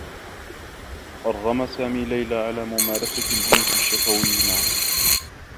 أرغم سامي ليلى على ممراسة الجنس الشّفوي معه.